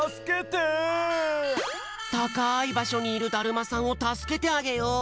たかいばしょにいるだるまさんをたすけてあげよう！